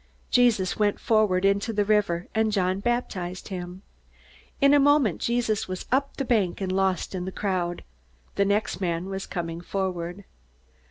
Jesus went forward into the river and John baptized him. In a moment Jesus was up the bank and lost in the crowd. The next man was coming forward.